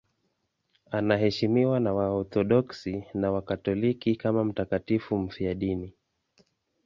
Anaheshimiwa na Waorthodoksi na Wakatoliki kama mtakatifu mfiadini.